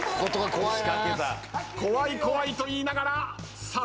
怖い怖いと言いながらさあ